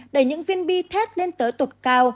để những viên bi thét lên tới tột cao